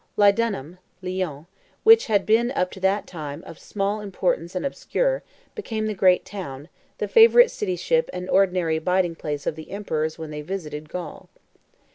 Luydunum (Lyons), which had been up to that time of small importance and obscure, became the great town, the favorite cityship and ordinary abiding place of the emperors when they visited Gaul.